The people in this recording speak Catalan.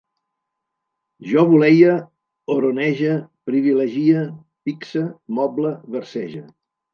Jo voleie, oronege, privilegie, pixe, moble, versege